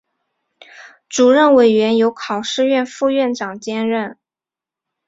主任委员由考试院副院长兼任。